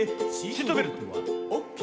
「シートベルトはＯＫ？」